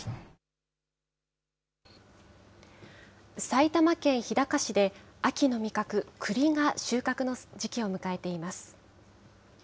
埼玉県日高市で、秋の味覚、くりが収穫の時期を迎えています。